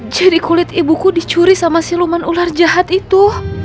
jadi kulit ibuku dicuri sama si leman ular jahat itu